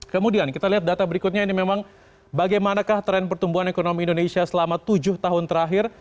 kemudian kita lihat data berikutnya ini memang bagaimanakah tren pertumbuhan ekonomi indonesia selama tujuh tahun terakhir